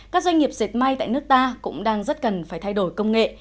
các doanh nghiệp dệt may tại nước ta cũng đang rất cần phải thay đổi công nghệ